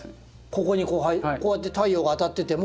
ここにこうやって太陽が当たってても。